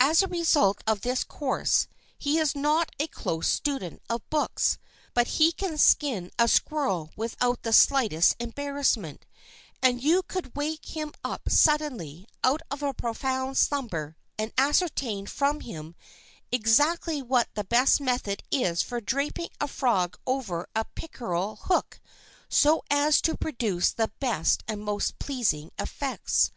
As a result of this course he is not a close student of books, but he can skin a squirrel without the slightest embarrassment, and you could wake him up suddenly out of a profound slumber and ascertain from him exactly what the best method is for draping a frog over a pickerel hook so as to produce the best and most pleasing effects.